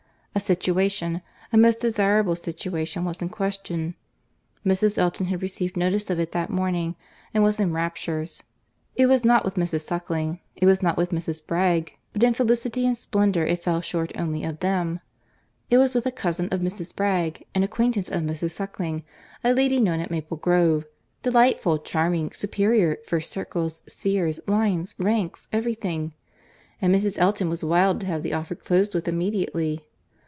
—A situation, a most desirable situation, was in question. Mrs. Elton had received notice of it that morning, and was in raptures. It was not with Mrs. Suckling, it was not with Mrs. Bragge, but in felicity and splendour it fell short only of them: it was with a cousin of Mrs. Bragge, an acquaintance of Mrs. Suckling, a lady known at Maple Grove. Delightful, charming, superior, first circles, spheres, lines, ranks, every thing—and Mrs. Elton was wild to have the offer closed with immediately.